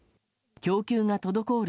供給が滞る